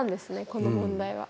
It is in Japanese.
この問題は。